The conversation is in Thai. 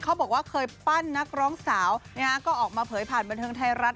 บอกว่าเคยปั้นนักร้องสาวก็ออกมาเผยผ่านบันเทิงไทยรัฐ